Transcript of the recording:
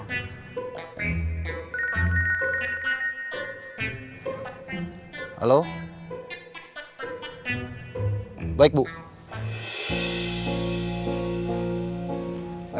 ayo pak putra kita ke halaman belakang ya